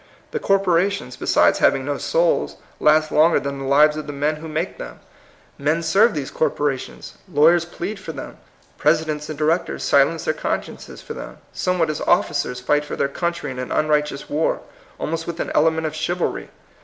The corpora tions, besides having no souls, last longer than the lives of the men who make them. POSSIBLE REVOLUTION. 157 Men serve these corporations, lawyers plead for them, presidents and directors silence their consciences for them, somewhat as officers fight for their country in an un righteous war, almost with an element of chivalry.